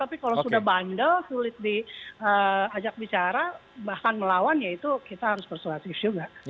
tapi kalau sudah bandel sulit diajak bicara bahkan melawan ya itu kita harus persuasif juga